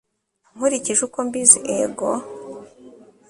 nkurikije uko mbizi ego